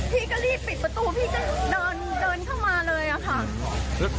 พี่ก็รีบปิดประตูพี่จะเดินเข้ามาเลยอะค่ะ